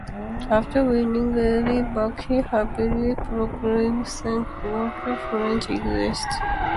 After winning Ellie back, he happily proclaims, Thank God the French exist.